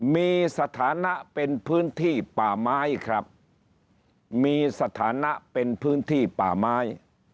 มีสถานะเป็นพื้นที่ป่าไม้ครับมีสถานะเป็นพื้นที่ป่าไม้